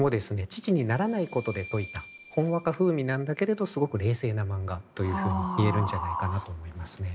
父にならないことで解いたほんわか風味なんだけれどすごく冷静な漫画というふうに言えるんじゃないかなと思いますね。